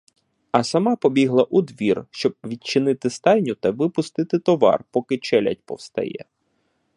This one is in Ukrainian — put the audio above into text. А сама побігла у двір, щоб відчинити стайню та випустити товар, поки челядь повстає.